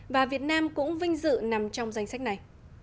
và việt nam cũng vinh dự nằm trong danh sách này